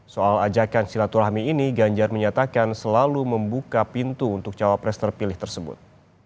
soal ajakan silaturahmi ini ganjar menyatakan selalu membuka pintu untuk cawapres terpilih tersebut